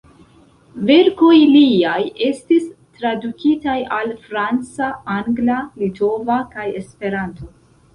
Verkoj liaj estis tradukitaj al franca, angla, litova kaj Esperanto.